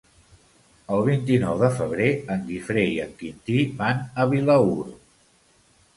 El vint-i-nou de febrer en Guifré i en Quintí van a Vilaür.